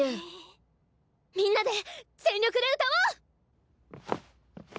みんなで全力で歌おう！